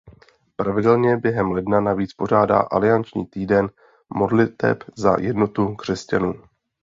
Pravidelně během ledna navíc pořádá „alianční týden modliteb za jednotu křesťanů“.